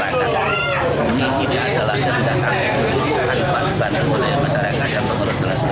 dan kegiatan masyarakat yang berperan tersebut